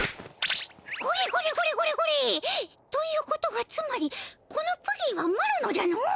これこれこれこれこれっ！ということはつまりこのプリンはマロのじゃの！？